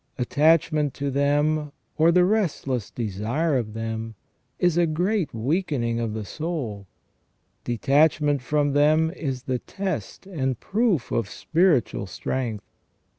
Attachment to them, or the restless desire of them, is a great weakening of the soul ; detach ment from them is the test and proof of spiritual strength.